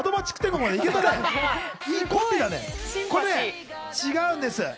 これ違うんです。